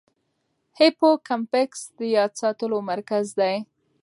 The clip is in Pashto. هیپوکمپس د یاد ساتلو مرکز دی.